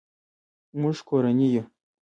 مونږ کورنۍ یو